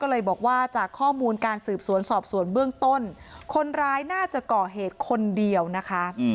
ก็เลยบอกว่าจากข้อมูลการสืบสวนสอบสวนเบื้องต้นคนร้ายน่าจะก่อเหตุคนเดียวนะคะ